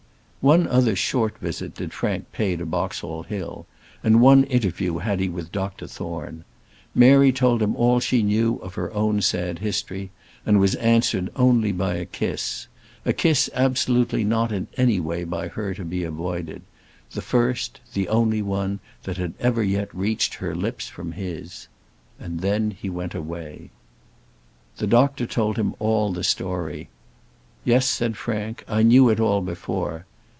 One other short visit did Frank pay to Boxall Hill, and one interview had he with Dr Thorne. Mary told him all she knew of her own sad history, and was answered only by a kiss, a kiss absolutely not in any way by her to be avoided; the first, the only one, that had ever yet reached her lips from his. And then he went away. The doctor told him all the story. "Yes," said Frank, "I knew it all before.